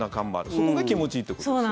そこが気持ちいいということですよね。